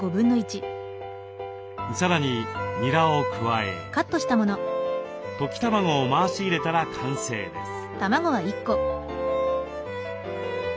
さらににらを加え溶き卵を回し入れたら完成です。